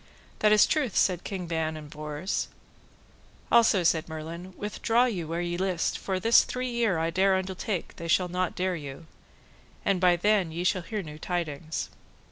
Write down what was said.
That is truth, said King Ban and Bors. Also said Merlin, withdraw you where ye list, for this three year I dare undertake they shall not dere you; and by then ye shall hear new tidings.